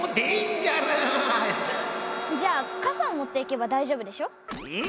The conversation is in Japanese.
じゃかさを持っていけばだいじょうぶでしょ？